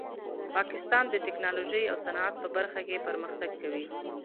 پاکستان د ټیکنالوژۍ او صنعت په برخه کې پرمختګ کوي.